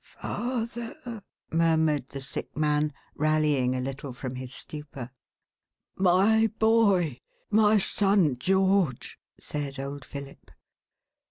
" Father !" murmured the sick man, rallying a little from his stupor. "My boy! My son George!'" said old Philip.